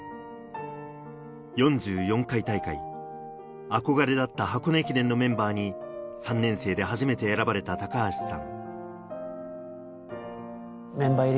４４回大会、憧れだった箱根駅伝のメンバーに、３年生で初めて選ばれた高橋さん。